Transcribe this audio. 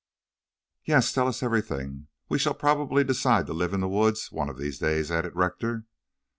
"Yes, tell us everything. We shall probably decide to live in the woods one of these days," added Rector.